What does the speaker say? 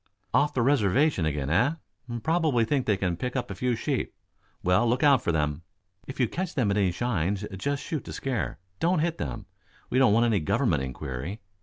"Off the reservation again, eh? Probably think they can pick up a few sheep. Well, look out for them. If you catch them at any shines just shoot to scare. Don't hit them. We don't want any Government inquiry.